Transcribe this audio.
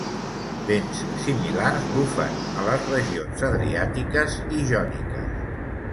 Vents similars bufen a les regions adriàtiques i jòniques.